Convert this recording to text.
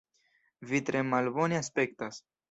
Vi tre malbone aspektas.